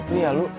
tuh ya lu